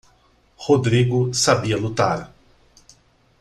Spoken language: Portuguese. Rodrigo sabia lutar.